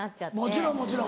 もちろんもちろん。